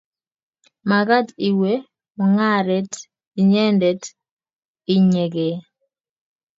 Magat iwe mungaret inyendet inyegei